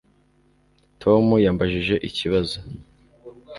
Tom yambajije ikibazo